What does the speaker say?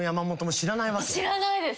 知らないです。